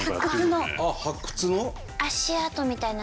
あっ発掘の？